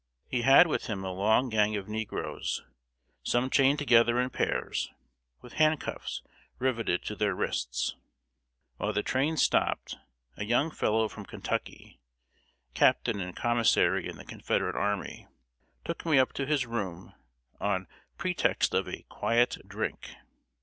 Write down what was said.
He had with him a long gang of negroes, some chained together in pairs, with handcuffs riveted to their wrists. While the train stopped, a young fellow from Kentucky, captain and commissary in the Confederate army, took me up to his room, on pretext of "a quiet drink."